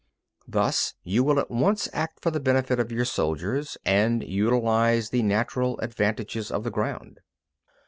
Thus you will at once act for the benefit of your soldiers and utilise the natural advantages of the ground.